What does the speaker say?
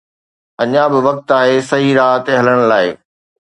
اڃا به وقت آهي صحيح راهه تي هلڻ لاءِ